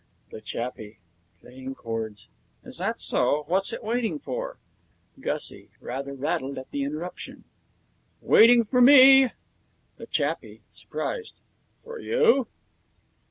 THE CHAPPIE (playing chords): 'Is that so? What's it waiting for?' GUSSIE (rather rattled at the interruption): 'Waiting for me.' THE CHAPPIE (surprised): For you?'